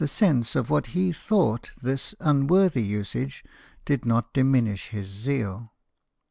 49 sense of what he thought this unworthy usage did not diminish his zeal.